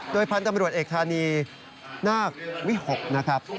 พันธุ์ตำรวจเอกธานีนาควิหกนะครับ